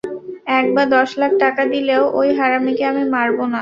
এক বা দশ লাখ টাকা দিলেও ওই হারামিকে আমি মারব না।